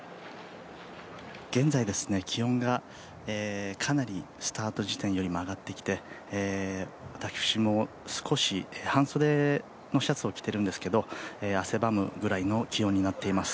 現在、気温がかなりスタート時点よりも上がってきて私も少し半袖のシャツを着ているんですけれども、汗ばむぐらいの気温になっています。